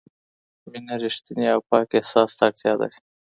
مینه رښتیني او پاک احساس ته اړتیا لري.